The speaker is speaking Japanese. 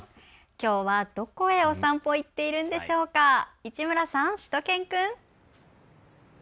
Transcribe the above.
きょうはどこへお散歩に行っているんでしょうか、市村さん、しゅと犬くん。